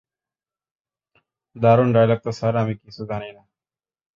দারুণ ডায়লগ তো স্যার, আমি কিছু জানি না!